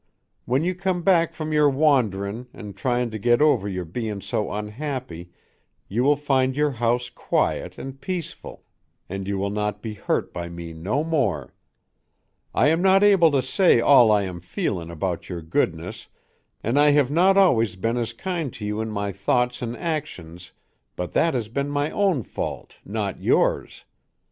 When you come back from your wanderin an tryin to get over your bein so unhappy you will find your house quiet an peaceful an you will not be hurt by me no more. I am not able to say all I am feelin about your goodness an I hev not always ben as kind to you in my thoughts an axions but that has ben my own fault not yours.